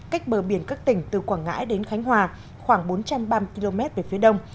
cách bờ biển các tỉnh từ quảng ngãi đến khánh hòa khoảng bốn trăm ba mươi km về phía đông